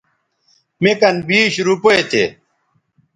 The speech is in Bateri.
مے کن بیش روپے تھے